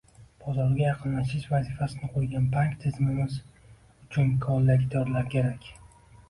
bozorga yaqinlashish vazifasini qo'ygan bank tizimimiz uchun kollektorlar kerak?